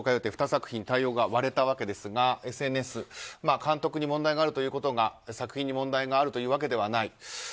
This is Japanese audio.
２作品の対応が割れたわけですがＳＮＳでは監督に問題があるということが作品に問題があるというわけではない。